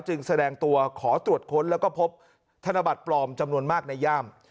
แสดงตัวขอตรวจค้นแล้วก็พบธนบัตรปลอมจำนวนมากในย่าม